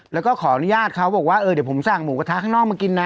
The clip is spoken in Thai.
แล้วก็ขออนุญาตเขาบอกว่าเออเดี๋ยวผมสั่งหมูกระทะข้างนอกมากินนะ